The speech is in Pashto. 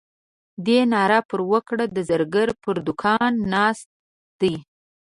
دې ناره پر وکړه د زرګر پر دوکان ناست دی.